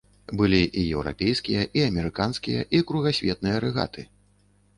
Былі і еўрапейскія, і амерыканскія, і кругасветныя рэгаты.